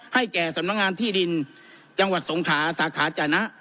แก่สำนักงานที่ดินจังหวัดสงขาสาขาจนะ